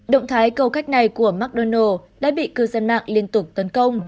động thái cầu cách này của mcdonald s đã bị cư dân mạng liên tục tấn công